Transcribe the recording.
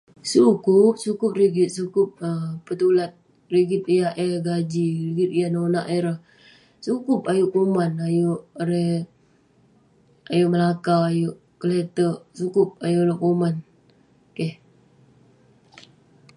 Sukup, sukup rigit um sukup petulat rigit yah eh gaji rigit yah nonak ireh sukup ayuk kuman ayuk um irei ayuk melakau ayuk kelatek ayuk oluek kuman keh